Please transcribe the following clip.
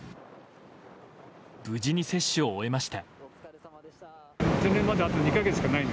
無事に接種を終えました。